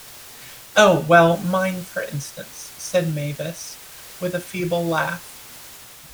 "Oh, well, mine for instance," said Mavis, with a feeble laugh.